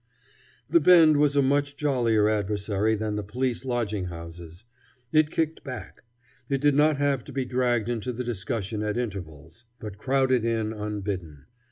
The Bend was a much jollier adversary than the police lodging houses. It kicked back. It did not have to be dragged into the discussion at intervals, but crowded in unbidden.